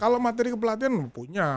kalau materi kepelatihan punya